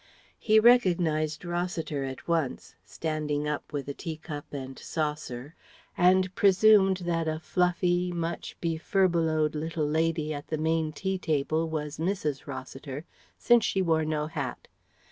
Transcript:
He recognized Rossiter at once, standing up with a tea cup and saucer, and presumed that a fluffy, much be furbelowed little lady at the main tea table was Mrs. Rossiter, since she wore no hat.